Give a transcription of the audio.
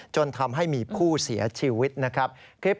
จนทำให้มีผู้เสียชีวิตนะครับ